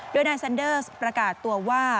โดยนายซันเดอร์ประกาศตัวว่า